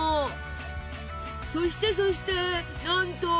そしてそしてなんと！